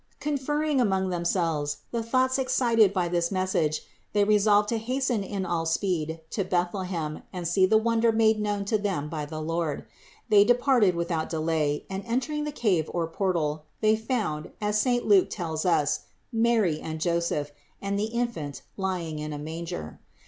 Conferring among themselves the thoughts excited by this message, they resolved to hasten in all speed to Bethlehem and see the wonder made known to them by the Lord. They departed without delay and entering the cave or portal, they found, as saint Luke tells us, Mary and Joseph, and the Infant lying in a manger.